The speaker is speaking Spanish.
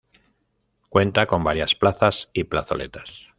Cuenta con varias plazas y plazoletas.